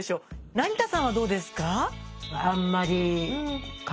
成田さんはどうですか？